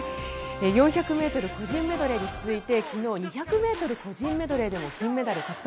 ４００ｍ個人メドレーに続いて昨日、２００ｍ個人メドレーでも金メダル獲得。